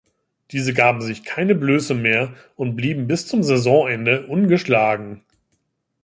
Diese gaben sich keine Blöße mehr und blieben bis zum Saisonende ungeschlagen.